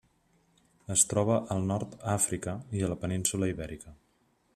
Es troba al nord Àfrica i a la península Ibèrica.